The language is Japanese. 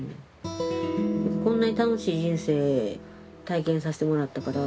こんなに楽しい人生体験させてもらったから。